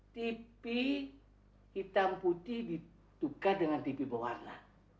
tv hitam putih ditukar dengan tv berwarna